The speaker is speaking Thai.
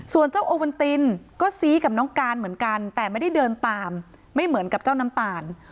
ส่วนเจ้าโอวันตินก็ซี้กับน้องการเหมือนกันแต่ไม่ได้เดินตามไม่เหมือนกับเจ้าน้ำตาล